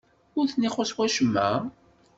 Ur ten-ixuṣṣ wacemma?